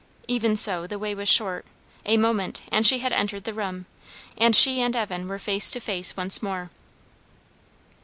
Even so, the way was short; a moment, and she had entered the room, and she and Evan were face to face once more.